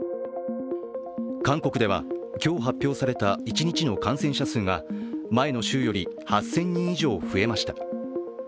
韓国では今日、発表された一日の感染者数が前の週より８０００人以上増えました。